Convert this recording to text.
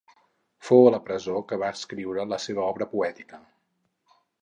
Fou a la presó que va escriure la seva obra poètica.